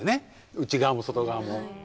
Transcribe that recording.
内側も外側も。